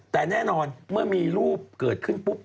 แต่แน่นอนเมื่อมีรูปเกิดขึ้นปุ๊บ